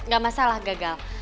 gak masalah gagal